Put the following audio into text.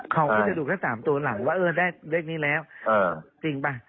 เขาก็จะดูแค่๓ตัวหลังว่าเออได้เลขนี้แล้วจริงป่ะ